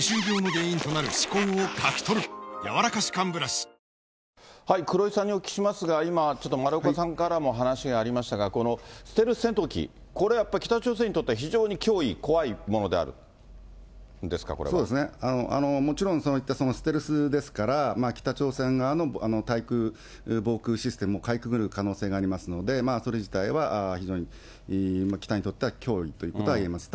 私も思いま黒井さんにお聞きしますが、今、ちょっと丸岡さんからも話がありましたが、このステルス戦闘機、これやっぱり、北朝鮮にとっては非常に脅威、怖いものであるんですか、そうですね、もちろんそういったステルスですから、北朝鮮側の対空防空システムをかいくぐる可能性がありますので、それ自体は非常に北にとっては脅威といえると思います。